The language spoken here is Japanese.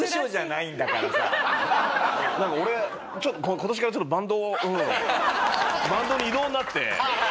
「なんか俺今年からちょっとバンドをバンドに異動になって」。